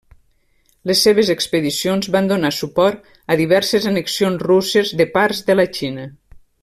Les seves expedicions van donar suport a diverses annexions russes de parts de la Xina.